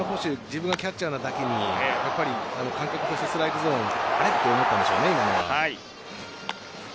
自分がキャッチャーなだけに自分の感覚としてストライクゾーンあれ、と思ったんでしょうね。